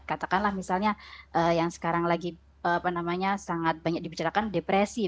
katakanlah misalnya yang sekarang lagi sangat banyak dibicarakan depresi